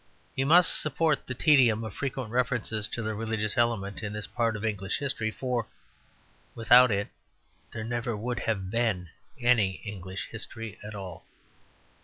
He must support the tedium of frequent references to the religious element in this part of English history, for without it there would never have been any English history at all.